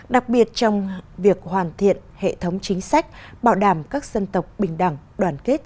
đặc biệt trong việc hoàn thiện hệ thống chính sách bảo đảm các dân tộc bình đẳng đoàn kết